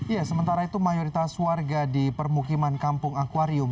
ya sementara itu mayoritas warga di permukiman kampung akwarium